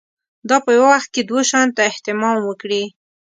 دا په یوه وخت کې دوو شیانو ته اهتمام وکړي.